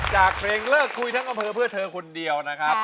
จากเพลงเลิกกุยทั้งกำทับเพื่อนเพื่อคนนี้เพิ่งเทอคนเดียวนะครับ